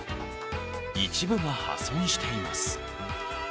一部が破損しています。